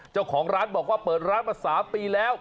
เจ้าของร้านบอกว่าเปิดร้านมา๓ปีแล้ว